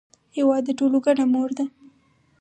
هېواد د ټولو ګډه مور ده.